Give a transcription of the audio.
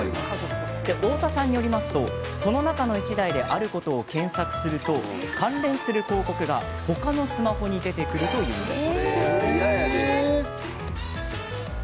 太田さんによると、その中の１台であることを検索すると関連する広告が他のスマホに出てくるというんです。